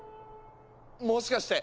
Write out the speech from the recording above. もしかして。